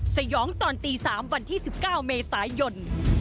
สยองตอนตี๓วันที่๑๙เมษายน